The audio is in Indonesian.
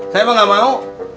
saya pun nggak mau